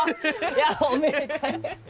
いやおめでたい！